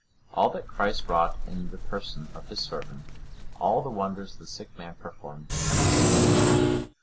All that Christ wrought in the person of his servant, all the wonders the sick man performed cannot be told.